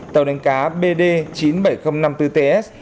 tàu đánh cá bd chín mươi bảy nghìn năm mươi bốn ts